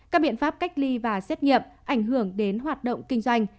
các biện pháp cách ly và xét nghiệm ảnh hưởng đến hoạt động kinh doanh